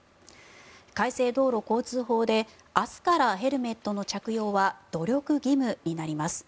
改正道路交通法で明日からヘルメットの着用は努力義務になります。